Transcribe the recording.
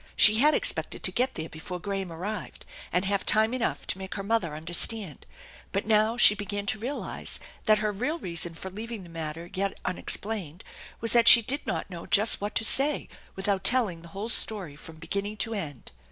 She had expected to get there before Graham arrived and have time enough to make her mother understand, but now she began to realize that her real reason for leaving the matter yet unexplained was that she did not know just what to say without telling the whole story from beginning to end.